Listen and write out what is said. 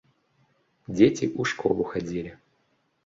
Дзеці ў школу хадзілі.